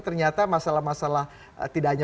ternyata masalah masalah tidak hanya